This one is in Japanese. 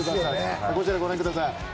こちら、ご覧ください。